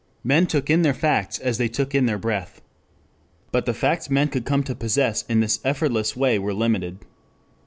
Men took in their facts as they took in their breath. 3 But the facts men could come to possess in this effortless way were limited.